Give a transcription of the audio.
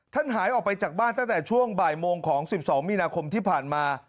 หายออกไปจากบ้านตั้งแต่ช่วงบ่ายโมงของ๑๒มีนาคมที่ผ่านมา